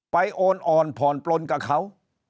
ไปโอนผ่อนปลนกับเขา